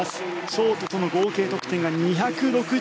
ショートとの合計得点が２６８．９８。